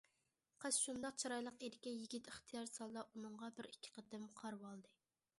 قىز شۇنداق چىرايلىق ئىدىكى، يىگىت ئىختىيارسىز ھالدا ئۇنىڭغا بىر-- ئىككى قېتىم قارىۋالدى.